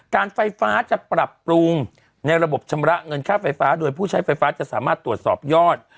การไฟฟ้าจะปรับปรุงในระบบชำระเงินค่าไฟฟ้าโดยผู้ใช้ไฟฟ้าจะสามารถตรวจสอบยอด